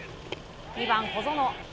２番、小園。